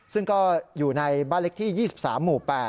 ซึ่งก็อยู่ในบ้านเล็กที่๒๓หมู่๘